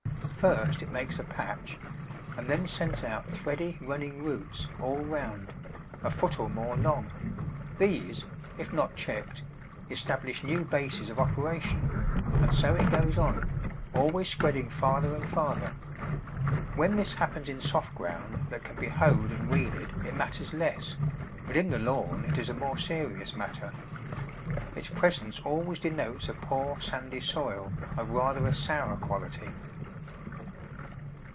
First it makes a patch, and then sends out thready running roots all round, a foot or more long; these, if not checked, establish new bases of operation, and so it goes on, always spreading farther and farther. When this happens in soft ground that can be hoed and weeded it matters less, but in the lawn it is a more serious matter. Its presence always denotes a poor, sandy soil of rather a sour quality.